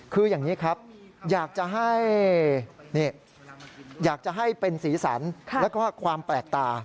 คืออย่างนี้ครับอยากจะให้อยากจะให้เป็นสีสันแล้วก็ความแปลกตา